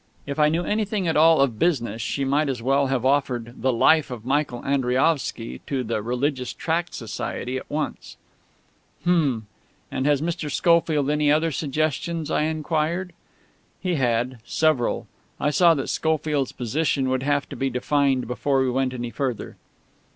If I knew anything at all of business she might as well have offered The Life of Michael Andriaovsky to The Religious Tract Society at once.... "Hm!... And has Mr. Schofield any other suggestions?" I inquired. He had. Several. I saw that Schofield's position would have to be defined before we went any further.